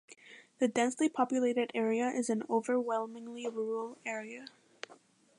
The densely populated area is an overwhelmingly rural area.